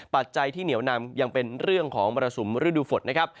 ปัจจัยที่เหนียวนำยังเป็นเรื่องของมรสุมฤดูฝนนะครับ